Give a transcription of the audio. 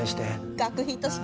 学費として。